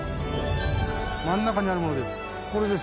真ん中にある物です。